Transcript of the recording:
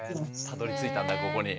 たどりついたんだここに。